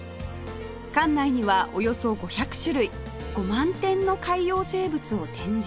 館内にはおよそ５００種類５万点の海洋生物を展示